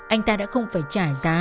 anh ta đã không phải trả giá